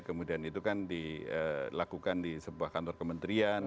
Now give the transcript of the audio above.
kemudian itu kan dilakukan di sebuah kantor kementerian